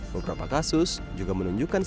beberapa kasus juga menunjukkan